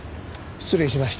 失礼しました。